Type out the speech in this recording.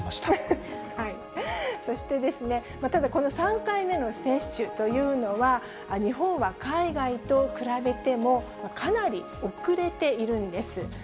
そしてですね、ただ、この３回目の接種というのは、日本は海外と比べても、かなり遅れているんです。